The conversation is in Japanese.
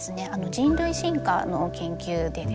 人類進化の研究でですね